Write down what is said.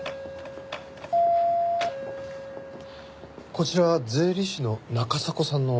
こちら税理士の中迫さんのお宅ですか？